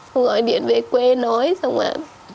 xong rồi điện về quê nói xong mà